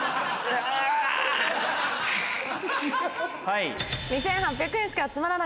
はい。